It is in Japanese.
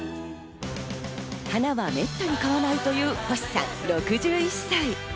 花はめったに買わないという、星さん、６１歳。